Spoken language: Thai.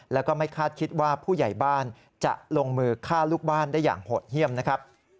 แล้วก็ไม่คาดคิดว่าผู้ใหญ่บ้านจะลงมือฆ่าลูกบ้านได้อย่างโหดเยี่ยมนะครับ